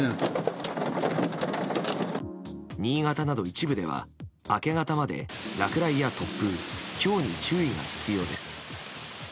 新潟など一部では明け方まで落雷や突風、ひょうに注意が必要です。